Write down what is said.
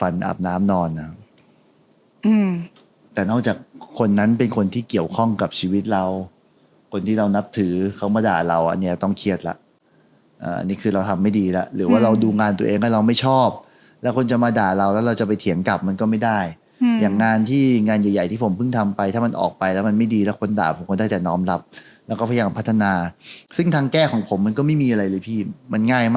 อย่างนั้นก็แบบเฮ้ยมันมีเรื่องอะไรที่เราแบบ